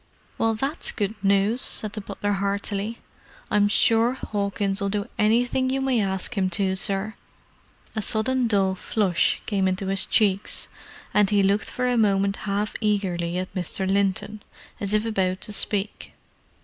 "Well, that's good news," said the butler heartily. "I'm sure 'Awkins'll do anything you may ask 'im to, sir." A sudden dull flush came into his cheeks, and he looked for a moment half eagerly at Mr. Linton, as if about to speak.